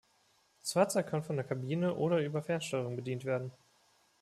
Das Fahrzeug kann von der Kabine oder über Fernsteuerung bedient werden.